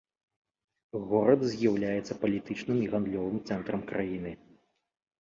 Горад з'яўляецца палітычным і гандлёвым цэнтрам краіны.